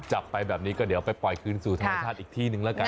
จับไปแบบนี้ก็เดี๋ยวไปปล่อยคืนสู่ธรรมชาติอีกที่นึงแล้วกัน